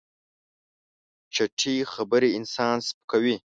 چټي خبرې انسان سپکوي.